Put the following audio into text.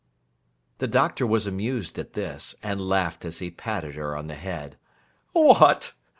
The Doctor was amused at this; and laughed as he patted her on the head. 'What!